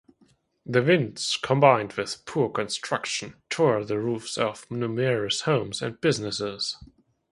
The winds, combined with poor construction, tore the roofs off numerous homes and businesses.